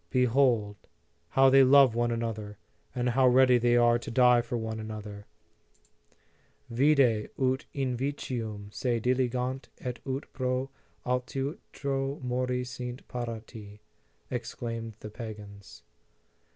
Behold how they love one another, and how ready they are to die for one another ! Vide 38 The Sign of the Cross ut invicum se diligant et ut pro alterutro wori sint parati! exclaimed the pagans.